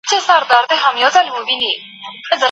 دا ټول عوامل د کیفیت په لوړولو کې مرسته کوي.